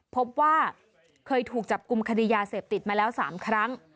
พบว่าเคยถูกจับกลุ่มคดียาเสพติดมาแล้ว๓ครั้ง